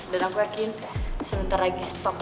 aku yakin sebentar lagi stop